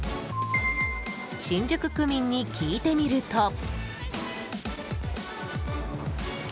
新宿区民に聞いてみると。